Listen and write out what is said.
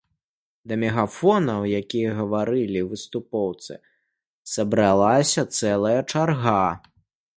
Да мегафона, у які гаварылі выступоўцы, сабралася цэлая чарга.